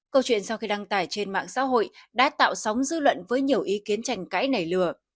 câu chuyện sau khi đăng tải trên mạng xã hội đã tạo sóng dư luận với nhiều ý kiến tranh cãi nảy lửa